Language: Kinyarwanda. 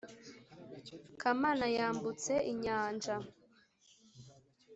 kamanayambutse inyanja